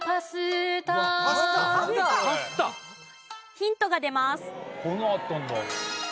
ヒントが出ます。